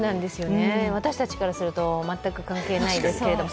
私たちからすると全く関係ないですけれども